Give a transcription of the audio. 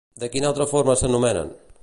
De quina altra forma s'anomenen?